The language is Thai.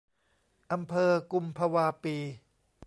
อำเภอกุมภวาปี